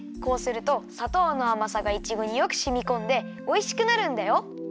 こうするとさとうのあまさがいちごによくしみこんでおいしくなるんだよ。